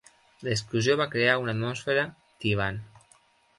La discussió va crear una atmosfera tibant.